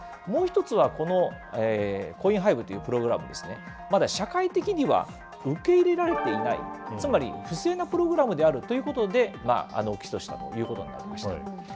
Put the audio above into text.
もう一つはこのコインハイブというプログラムですね、まだ社会的には受け入れられていない、つまり不正なプログラムであるということで、起訴したということになりました。